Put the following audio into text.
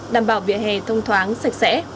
đảm bảo vỉa hè thông thoáng sạch sẽ